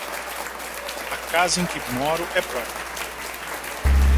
A casa em que moro é própria.